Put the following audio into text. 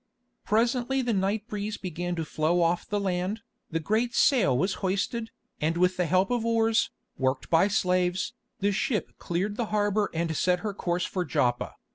Presently the night breeze began to flow off the land, the great sail was hoisted, and with the help of oars, worked by slaves, the ship cleared the harbour and set her course for Joppa.